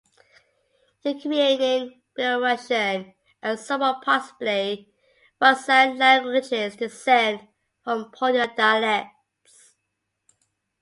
Ukrainian, Belorussian and, somewhat possibly, Rusyn languages descend from Polyan dialects.